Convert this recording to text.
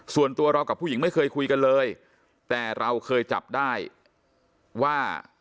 ส่วนตัวเรากับผู้หญิงไม่เคยคุยกันเลยแต่เราเคยจับได้ว่า